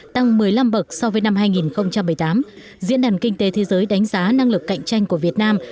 tăng một mươi năm bậc so với năm hai nghìn một mươi tám diễn đàn kinh tế thế giới đánh giá năng lực cạnh tranh của việt nam